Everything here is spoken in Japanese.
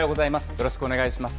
よろしくお願いします。